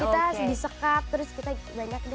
terus kita harus disekap